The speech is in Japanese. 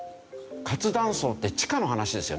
活断層って地下の話ですよね。